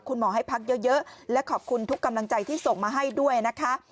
คุณหมอให้พักเยอะและขอบคุณทุกกำลังใจที่ส่งมาให้ด้วยนะคะ